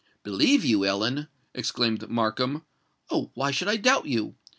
"Believe you, Ellen!" exclaimed Markham: "oh why should I doubt you?